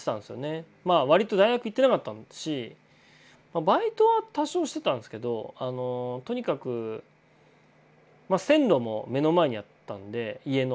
まあ割と大学行ってなかったしバイトは多少してたんですけどとにかく線路も目の前にあったんで家の。